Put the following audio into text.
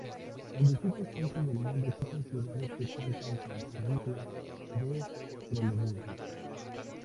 En distintos países del mundo existen ciudades que cuentan con servicios de trolebuses.